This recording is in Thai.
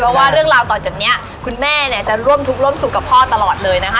เพราะว่าเรื่องราวต่อจากนี้คุณแม่เนี่ยจะร่วมทุกข์ร่วมสุขกับพ่อตลอดเลยนะคะ